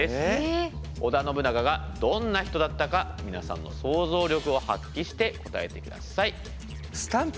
織田信長がどんな人だったか皆さんの想像力を発揮して答えてください。